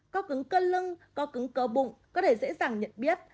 co cứng cơ lưng co cứng cơ bụng có thể dễ dàng nhận biết